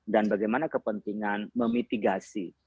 dan bagaimana kepentingan memitigasi